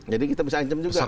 jadi kita bisa ancam juga